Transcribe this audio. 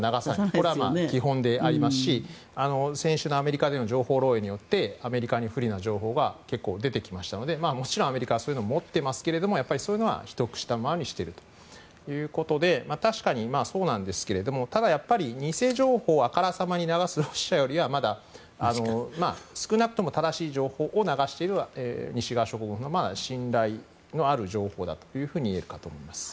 これは基本でありますし先週のアメリカでの情報漏えいによってアメリカに不利な情報が結構出てきましたのでもちろんアメリカはそういうのを持っていますがそういうのは秘匿したままにしているということで確かにそうなんですがただ、偽情報をあからさまに流すロシアよりは少なくとも正しい情報を流している西側諸国のほうが信頼のある情報だと言えるかと思います。